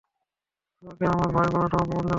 তোমাকে আমার ভাই বলাটাও অপমানজনক!